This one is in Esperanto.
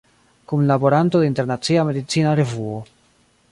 Kunlaboranto de Internacia Medicina Revuo.